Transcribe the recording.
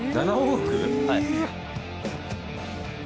はい。